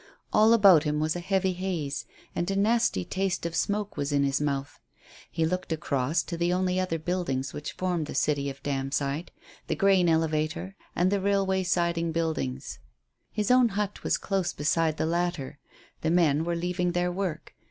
All about him was a heavy haze, and a nasty taste of smoke was in his mouth. He looked across to the only other buildings which formed the city of Damside, the grain elevator and the railway siding buildings. His own hut was close beside the latter. The men were leaving their work.